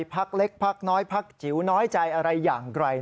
ภักดิ์เล็กภักดิ์น้อยภักดิ์จิ๋วภักดิ์น้อยใจอะไรอย่างไร